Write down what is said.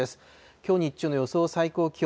きょう日中の予想最高気温。